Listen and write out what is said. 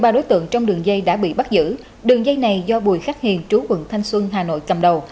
hai mươi ba đối tượng trong đường dây đã bị bắt giữ đường dây này do bùi khắc hiền trú quận thanh xuân hà nội cầm đầu